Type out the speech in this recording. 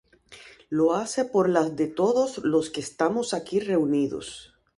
Lo hace por las de todos los que estamos aquí reunidos.